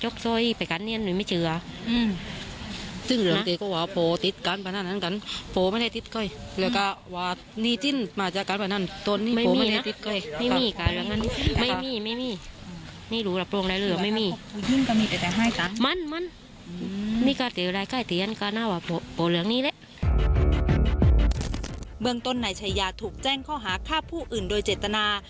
เมืองต้นนายชายาถูกแจ้งข้อหาฆ่าผู้อื่นโดยเจตนา